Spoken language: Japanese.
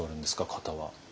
型は。